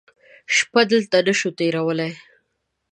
شپه دلته نه شو تېرولی.